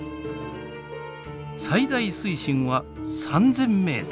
最大水深は３，０００ｍ。